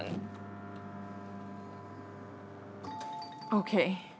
ＯＫ。